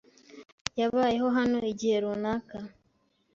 Yabayeho hano igihe runaka.